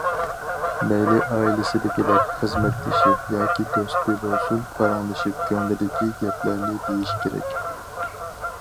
مەيلى ئائىلىسىدىكىلەر، خىزمەتدىشى ياكى دوستى بولسۇن، پاراڭلىشىپ كۆڭلىدىكى گەپلەرنى دېيىش كېرەك.